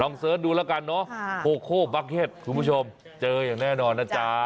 ลองเสิร์ชดูแล้วกันเนอะคุณผู้ชมเจออย่างแน่นอนนะจ๊ะ